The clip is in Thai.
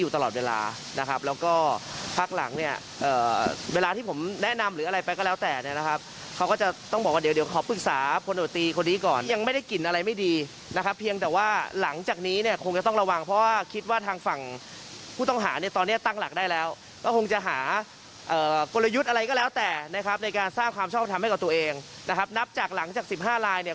แต่ในการทราบความชอบทำให้กับตัวเองนะครับนับจากหลังจาก๑๕ลายเนี่ย